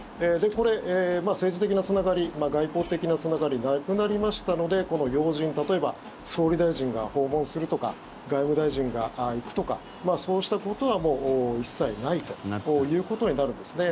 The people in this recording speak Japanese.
これ、政治的なつながり外交的なつながりなくなりましたのでこの要人例えば総理大臣が訪問するとか外務大臣が行くとかそうしたことは、もう一切ないということになるんですね。